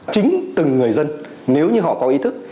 chính từng người dân nếu như họ có ý thức